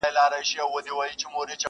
د ژوندون خواست یې کوه له ربه یاره ،